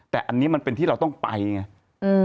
แต่อันนี้มันเป็นที่เราต้องไปไง